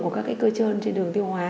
của các cơ chơn trên đường tiêu hóa